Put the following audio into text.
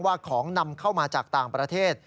ว่าของนำเข้ามาจากต่างประเทศ